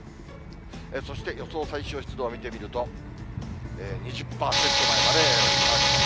そして予想最小湿度を見てみると、２０％台まで乾きます。